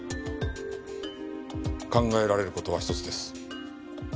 考えられる事は一つです。